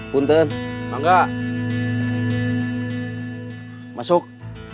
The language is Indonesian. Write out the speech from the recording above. kamu gak bisa dulu